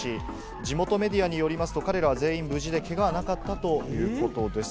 地元メディアによりますと、彼らは全員無事で、けがはなかったということです。